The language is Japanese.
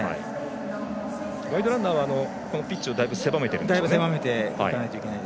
ガイドランナーはピッチをだいぶ狭めているんですね。